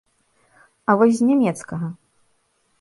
А вось з нямецкага?